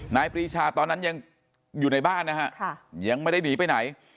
ปรีชาตอนนั้นยังอยู่ในบ้านนะฮะยังไม่ได้หนีไปไหน